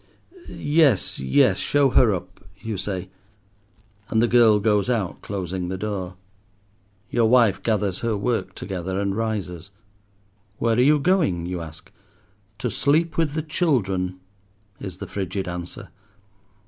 "Yes, yes, show her up," you say, and the girl goes out, closing the door. Your wife gathers her work together, and rises. "Where are you going?" you ask. "To sleep with the children," is the frigid answer.